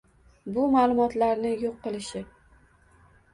bu ma’lumotlarni yo‘q qilishi;